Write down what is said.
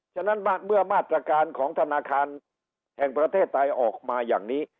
ฉะนั้นเมื่อมาตรการของธนาคารแห่งประเทศไทยออกมาอย่างนี้